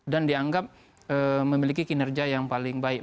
dan dianggap memiliki kinerja yang paling baik